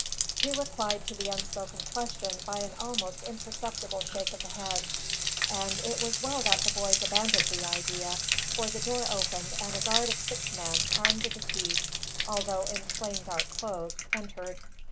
He replied to the unspoken question by an almost imperceptible shake of the head; and it was well that the boys abandoned the idea, for the door opened and a guard of six men, armed to the teeth, although in plain dark clothes, entered.